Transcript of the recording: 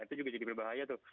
itu juga jadi berbahaya tuh